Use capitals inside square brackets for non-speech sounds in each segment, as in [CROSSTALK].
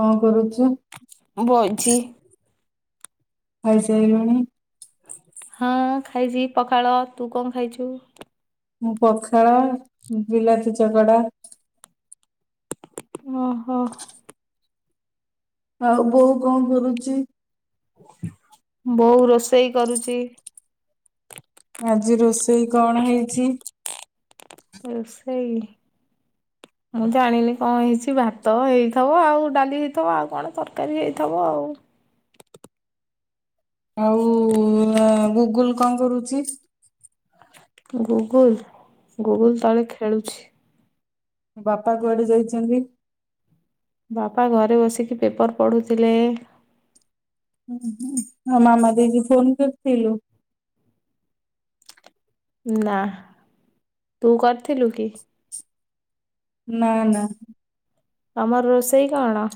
କଂ କରୁଛ? ବ‌ଇଛି। ଖାଇସାଇଲୁଣି ହଁ ଖାଇଛି ପଖାଳ। ତୁ କଣ ଖାଇ ଚୁ? ମୁଁ ପଖାଳ ବିଲାତି ଚକଡା ଓ ହୋ। ଆଉ ବୋଉ କଣ କରୁଚି? ବୋଉ ରୋଷେଇ କରୁଚି। ଆଜି ରୋଷେଇ କଣ ହେଇଚି? ରୋସେଇ ମୁଁ ଜାଣିନି କଣ ହେଇଚି? ଭାତ ହେଇଥିବ ଆଉ ଡାଲି ହେଇଥିବ ଆଉ କଣ ତରକାରୀ ହେଇଥିବ ଆଉ। ଆଉ ଅଁ ଗୁଗୁଲ୍ କଣ କରୁଚି? ଗୁଗୁଲ୍, ଗୁଗୁଲ୍ ତଳେ ଖେଳ ଚି। ବାପା କୁଆଡେ ଯାଇଛନ୍ତି? ବାପା ଘରେ ବସିକି ପେପର୍ ପଢ଼ୁଥିଲେ। ଆ ମାମା ଦେଇ କି ଫୋନ କରଥିଲୁ? ନା ତୁ କରିଥିଲୁ କି? ନା ନା। ତମର ରୋଷେଇ କଣ?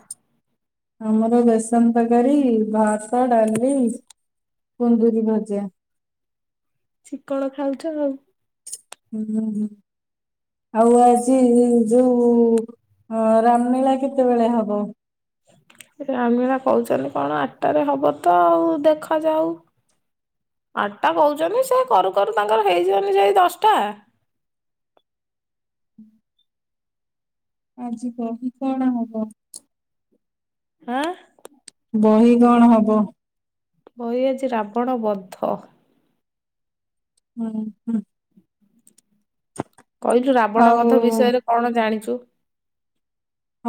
ଆମର ବେସନ୍ ତରକାରୀ, ଭାତ, ଡାଲି, କୁନ୍ଦୁରି ଭଜା। ଚିକଣ ଖାଉଛ ଆଉ। ହୁଁ, ହୁଁ, ହୁଁ। ଆଉ ଆଜି ଯୋଉ ଅ ରାମ୍ ଲୀଳା କେତେବେଳେ ହବ? ରାମୀଳା କହୁଚନ୍ତି କଣ ଆଟାରେ ହବ? ତ ଆଉ ଦେଖାଯାଉ। ଆଟା କହୁଛନ୍ତି ସେ କରୁ କରୁ ତାଙ୍କର ହେଇଯିବନି ସେଇ ଦଶ୍ ଟା। ଆଯି ବହି କଣ ହବ? ଆଁ ବହି କଣ ହବ? ବହି ଆଜି ରାବଣ ବଦ୍ଧ। ହୁଁ ହୁଁ। କହିଲୁ ରାବଣ ଆଉ ବଦ୍ଧ ବିଷୟରେ କଣ ଜାଣିଚୁ?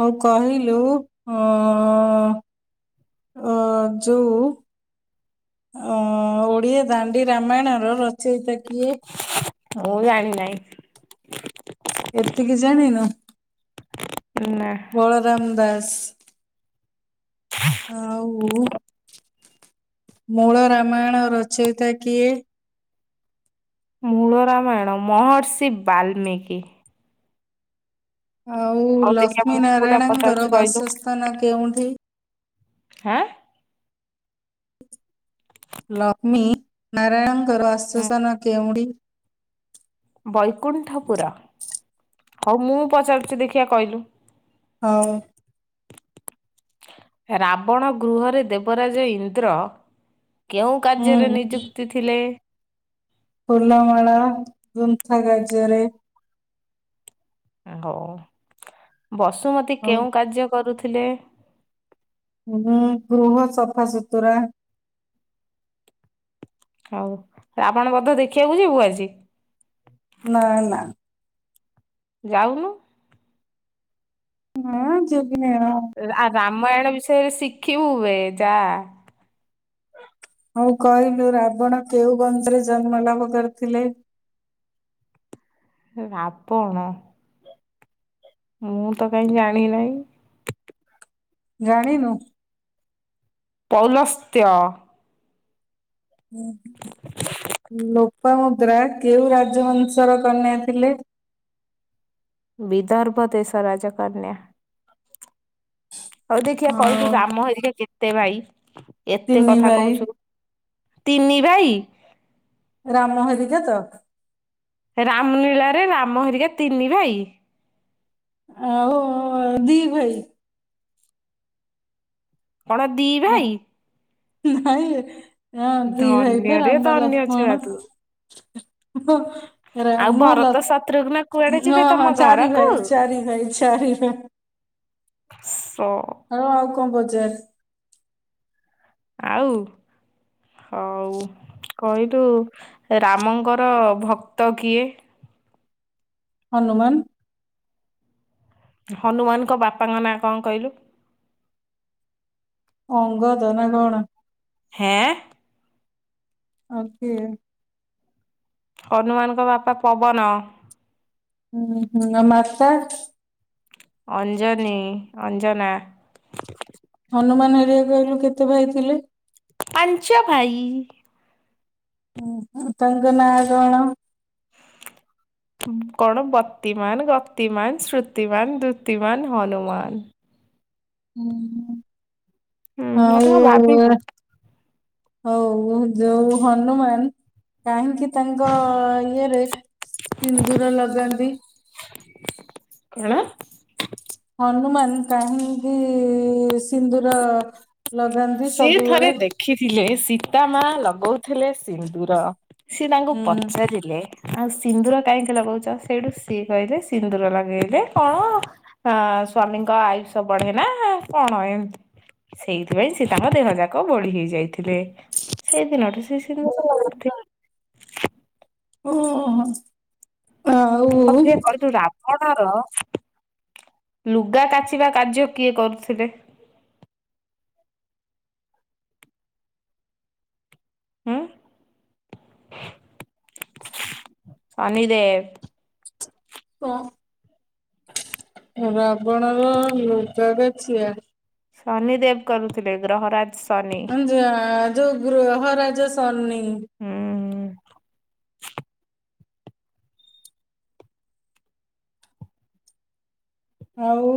ହଉ କହିଲୁ ଓଁ ଅଁ ଯୁ ଅଁ ଓଡ଼ିଆ ଦାଣ୍ଡି ରାମାୟଣ ର ରଚୟତା କିଏ? ମୁଁ ଜାଣିିନାହିଁ। ଏତିକି ଜାଣିନୁ? ନା। ବଳରାମ ଦାସ୍। ଆଉ ମୂଳ ରାମାୟଣ ରଚୟତା କିଏ? ମୂଳ ରାମାୟଣ ମହର୍ଷି ବାଲ୍ମୀିକି। ଆଉ ହଉ ଦେଖିବା ଲକ୍ଷ୍ମୀ ମୁଁ କୋଉଟା ପଚାରୁଛି ନାରାୟଣଙ୍କର କହିଲୁ ବାସସ୍ଥାନ କେଉଁଠି? ହାଁ। ଲକ୍ଷ୍ମୀ ନାରାୟଣଙ୍କର ହୁଁ ଆଶ୍ଵାସନା କେଉଁଠି? ବୈକୁଣ୍ଠ ପୁର। ହଉ, ମୁଁ ପଚାରୁଛି ଦେଖିବା କଇଲୁ। ହଉ। ରାବଣ ଗୃହରେ ଦେବରାଜ ଇନ୍ଦ୍ର କେଉଁ କାର୍ଯ୍ୟରେ ହୁଁ ନିଯୁକ୍ତି ଥିଲେ? ଫୁଲମାଳ ଗୁନ୍ଥା କାର୍ଯ୍ୟରେ। ହଉ, ବସୁମତୀ ଆଉ କେଉଁ କାର୍ଯ୍ୟ କରୁଥିଲେ? ଗୁଁ ଗୃହ ସଫା ସୁୁତୁରା। ହଉ ରାବଣ ବଧ ଦେଖିବାକୁ ଯିବୁ, ଆଜି? ନା ନା। ଯାଉନୁ? ନା ଯିବିନି ଆଉ ଆ ରାମାୟଣ ବିଷୟରେ ଶିଖିବୁ ବେ ଯାଆ। ହଉ କହିଲୁ ରାବଣ କେଉଁ ବଂଶରେ ଜନ୍ମ ଲାଭ କରିଥିଲେ? ରାବଣ। ମୁଁ ତ କାଇଁ ଜାଣି ନାହିଁ। ଜାଣିନୁ? ପୌଲସ୍ତ୍ୟ। ଲୋପାମଦ୍ରା କେଉଁ ରାଜବଂଶର କନ୍ୟା ଥିଲେ? ବିଦାର୍ବ ଦେଶ ରାଜକନ୍ୟା। ହଉ ଦେଖିଆ କହିଲୁ ଆଉ ରାମ ହେରିକା କେତେ ଭାଇ? ଏତେ ତିନି କଥା ଭାଇ କହୁଚୁ। ତିନି ଭାଇ। ରାମ ହରିକା ତ? ରାମ ଲୀଳାରେ ରାମ ହେରିକା ତିନି ଭାଇ? ଆଉ ଆଉ ଦି ଭାଇ। କଣ ଦି ଭାଇ? ନାଇଁବେ। ହଁ, ଦି ଭାଇ ବା ଧନ୍ୟରେ ରାମ ଧନ୍ୟ ଛୁଆ ଲକ୍ଷ୍ମଣ। ତୁ। ହୋ ଆଉ ରାମ ଭରତ ଶତ୍ରୁଘ୍ନ କୁଆଡେ ଲକ୍ଷ ଣ ଯିବେ ହଁ ତମ ହଁ ଚାରି ଘରକୁ ଭାଇ। ଚାରି ଭାଇ, ଚାରି ଭାଇ। ସ ହଉ ଆଉ କଣ ପଚାର? ଆଉ ହଉ କହିଲୁ ରାମଙ୍କର ଭକ୍ତ କିଏ? ହନୁମାନ। ହନୁମାନଙ୍କ ବାପାଙ୍କ ନାଁ କଣ କହିଲୁ? ଅଙ୍ଗଦ ନା କଣ? ହେଁ ଆଉ କିଏ? ହନୁମାନଙ୍କ ବାପା ପବନ। ହୁଁ ହୁଁ। ଆଉ ମାତା? ଅଞ୍ଜନି, ଅଞ୍ଜନା। ହନୁମାନ ହେରିଆ କହିଲୁ କେତେ ଭାଇ ଥିଲେ? ପାଞ୍ଚ ଭାଇ। ତାଙ୍କ ନାଁ କଣ? କଣ ବତିମାନ, ଗତିମାନ, ଶ୍ରୁତିମାନ, ଦୁତିମାନ, ହନୁମାନ। ହଁ ହୁଁ ମତେ କଣ ହଉ ଭାବିବୁ ଆ ହଉ ଉ ଯୋଉ ହନୁମାନ କାହିଁକି ତାଙ୍କ ଇଏରେ ସିନ୍ଦୁର ଲଗାନ୍ତି? କଣ? ହନୁମାନ କାହିଁକି ସିନ୍ଦୂର ସିଏ ଥରେ ଦେଖିଥିଲେ ସୀତା ମା ଲଗଉଥିଲେ ସିନ୍ଦୁର। ସିଏ ତାଙ୍କୁ ହୁଁ ପଚାରିଲେ ଆଉ ସିନ୍ଦୁର କାହିଁକି ଲଗଉଛ ସେଇଠୁ ସିଏ କହିଲେ ସିନ୍ଦୁର ଲଗେଇଲେ କଣ ହଁ ସ୍ଵାମୀଙ୍କ ଆୟୁଷ ବଢେ ନା କଣ ଏମତି। ସେଇଥିପାଇଁ ସିଏ ତାଙ୍କ ଦେହ ଯାକ ବୋଳି ହେଇ ଯାଇଥିଲେ ସେଇ ଦିନ ସ [UNINTELLIGIBLE] ଓହୋ। କ କହ ତୁ ରା ବଣର ଲୁଗା କାଚିବା କାର୍ଯ୍ୟ କିଏ କରୁଥିଲେ? ହୁଁ। ଶନିଦେବ। କଣ ରାବଣର ଲୁଗାଗାଛିଆ ଶନି ଦେବ କରୁଥିଲେ ଗ୍ରହରାଜ ଶନି। ଯୋଉ ଗୃହରାଜ ସନି। ହୁଁ। ଆଉ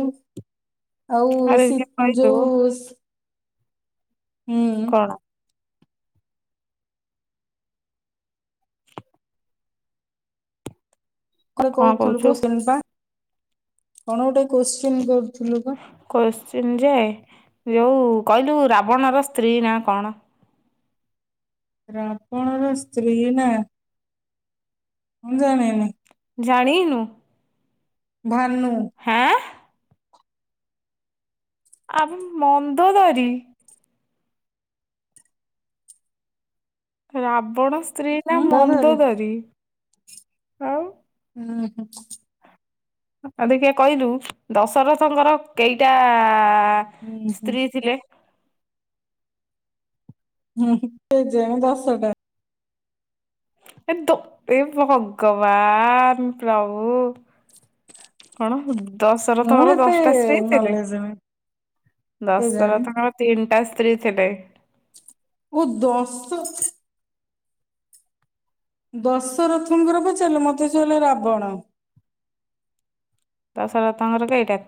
ଆଉ ଆରେ ସି କହିଲୁ ଜିଉସ୍ ହୁଁ। କଣ କଣ କହୁଥିଲୁ କନ ପା କଣ ଗୋଟେ କୋଶ୍ଚିନ କରୁଥିଲୁ ପା କୋଶ୍ଚିନ୍ ଯେ ଯଉଁ କହିଲୁ ରାବଣର ସ୍ତ୍ରୀ ନା କଣ? ରାବଣର ସ୍ତ୍ରୀ ନା ମୁଁ ଜାଣିନି। ଜାଣିନୁ? ଭାନୁ। ହଁ। ଆ ମନ୍ଦଧରି। ରାବଣ ସ୍ତ୍ରୀ ନା ଉଁ ଧରି ମନ୍ଦଦାରୀ। ହୁଁ ହଁ। ଆଉ ଦେଖେ କହିଲୁ ଦଶରଥଙ୍କର କେଇଟା ହୁଁ ହୁଁ ସ୍ତ୍ରୀ ଥିଲେ? ହୁଁ କେଜାଣି ଦଶ ଟା। ଏ ତୋ ଏ ଭଗବାନ ପ୍ରଭୁ। କଣ ମୁଁ ଦଶରଥଙ୍କର ଏତେ ଦଶଟା ସ୍ତ୍ରୀ ଥିଲେ ନଲେଜ ନାହିଁ କେଜାଣି ଦଶରଥଙ୍କର। ତିନିଟା ସ୍ତ୍ରୀ ଥିଲେ। ଓ ଦଶ ଦଶରଥଙ୍କର ପଚାରିଲେ ମତେ ଶୁଭିଲା ରାବଣ। ଦଶରଥଙ୍କର କେଇଟା?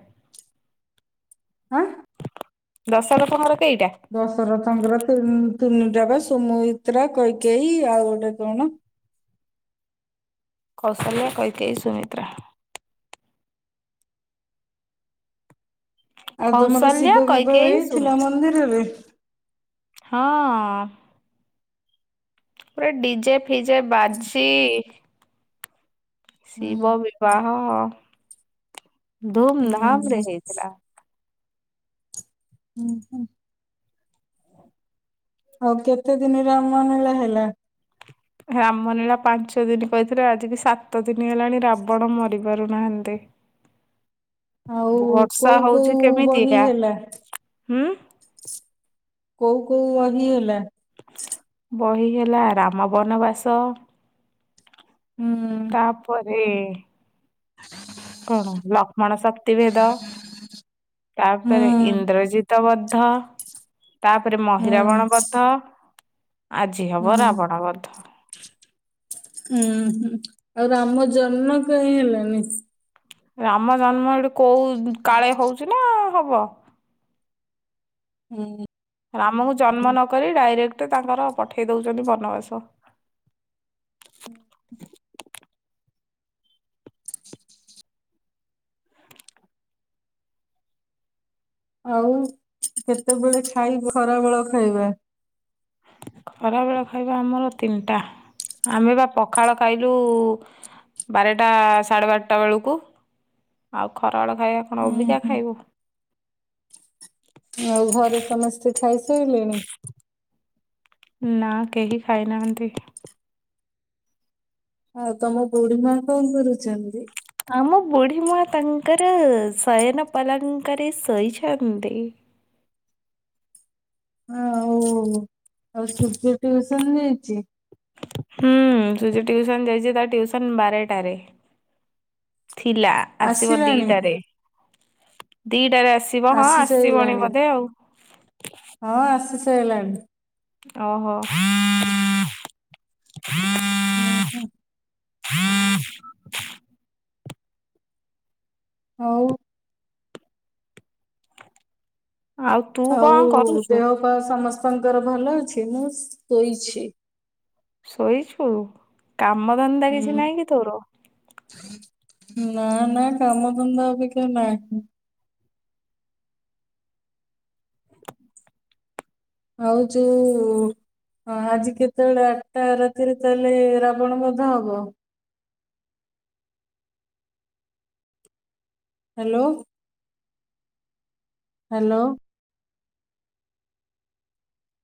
ହାଁ। ଦଶରଥଙ୍କର କେଇଟା? ଦଶରଥଙ୍କର ତିନି ଟାକ ସୁମିତ୍ରା କୈକେଇ ଆଉ ଗୋଟେ କଣ। କୌଶଲ୍ୟା କୈକେଇ ସୁମିତ୍ରା। ଆଉ ତମର କୌଶଲ୍ୟା ଶିବ ବିବାହ କୈକେଇ ହେଇଥିଲା ସୁମିତ୍ରା ମନ୍ଦିରରେ? ହଁ। ପୁରା ଡିଜେ ଫିଜେ ବାଜି। ଶିବ ହୁଁ। ବିବାହ ହୁଁ ହୁଁ ଧୁମଧାମରେ ହେଇଥିଲା। ହୁଁ ହୁଁ। ଆଉ କେତେ ଦିନି ରାମନୀଳା ହେଲା? ରାମନୀଳା ପାଞ୍ଚ ଦିନି କହିଥିଲେ ଆଜିିକି ସାତ ଦିନି ହେଲାଣି ରାବଣ ମରି ପାରୁନାହାଁନ୍ତି। ଆଉ କୋଉ ହଉଛି କୋଉ କେମିତି ବହି ଆ ହେଲା? ହୁଁ? କୋଉ କୋଉ ବହି ହେଲା? ବହି ହେଲା ରାମ ବନବାସ ହୁଁ। ତା ପରେ କଣ ଲକ୍ଷ୍ମଣ ଶକ୍ତିଭେଦ ତା ହୁଁ ପରେ ଇନ୍ଦ୍ରଜିତ ବଦ୍ଧ ତା ପରେ ହୁଁ ହୁଁ। ମହିରାବଣ ବଦ୍ଧ, ଆଜି ହବ ରାବଣ ବଦ୍ଧ। ହୁଁ ହୁଁ ଆଉ ରାମ ଜନ୍ମ କାଇଁ ହେଲାନି? ରାମ ଜନ୍ମ ଏଇଠି କୋଉ କାଳେ ହଉଛି ନା ହବ। ହୁଁ। ରାମଙ୍କୁ ଜନ୍ମ ନକରି ଡାଇରେକ୍ଟ ତାଙ୍କର ପଠେଇ ଦଉଛନ୍ତି ବନବାସ। ଆଉ କେତେବେଳେ ଖାଇବ ଖରାବେଳ ଖାଇବା? ଖରାବେଳ ଖାଇବା ଆମର ତିନିଟା। ଆମେ ବା ପଖାଳ ଖାଇଲୁ ବାରରଟା ସାଢେ ବାରେଟା ବେଳୁକୁ। ଆଉ ଖରାବେଳ ଖାଇବା କଣ ହୁଁ ଅବିକା ହୁଁ ଖାଇବୁ। ଆଉ ଘରେ ସମସ୍ତେ ଖାଇସାଇଲେଣି? ନାଁ କେହି ଖାଇନାହାଁନ୍ତି। ଆଉ ତମ ବୁଢୀ ମାଆ କଣ କରୁଛନ୍ତି? ଆମ ବୁଢୀ ମାଆ ତାଙ୍କର ଶୟନ ପଲଙ୍କରେ ଶୋଇଛନ୍ତି। ଆଉ ଆଉ ସୂର୍ଯ୍ୟ ଟିଉସନ ଯାଇଛି? ହୁଁ ସୂର୍ଯ୍ୟ ଟିଉସନ ଯାଇଛି। ତା ଟିଉସନ ବାରେଟାରେ ଥିଲା। ଆସିବ ଆସିଲାଣି ଦିଟାରେ। ଦିଟାରେ ଆସିବ। ହଁ ଆସି ଆସିବଣି ସାଇଲାଣି ବୋଧେ ଆଉ। ହଁ ଆସି ସାଇଲାଣି। ଓହୋ। ଉଁ ହୁଁ। ହଉ। ତୁ ଆଉ କଣ କରୁଛୁ? ଦେହ ପାହ ସମସ୍ତଙ୍କର ଭଲ ଅଛି? ମୁଁ ଶୋଇଛି। ଶୋଇଛୁ? କାମଧନ୍ଦା କିଛି ନାଇଁ କି ତୋର? ନାଁ ନାଁ କାମ ଧନ୍ଦା ଅବିକା ନାହିଁ। ଆଉ ଯୋଉ ହଁ ଆଜି କେତେବେଳେ ଆଠଟା ରାତିରେ ତା ହେଲେ ରାବଣ ବଦ୍ଧ ହବ? ହ୍ୟାଲୋ। ହ୍ୟାଲୋ।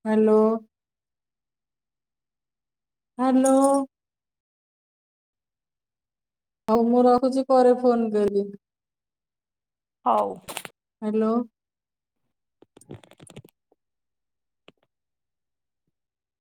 ହ୍ୟାଲୋ। ହ୍ୟାଲୋ। ହଉ ମୁଁ ରହୁଛି ପରେ ଫୋନ୍ କରିବି। ହଉ। ହ୍ୟାଲୋ।